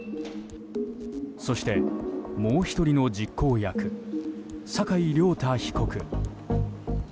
そして、もう１人の実行役酒井亮太被告。